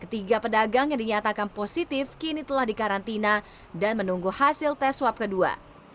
ketiga pedagang yang dinyatakan positif kini telah dikarantina dan menunggu hasil tes swab kedua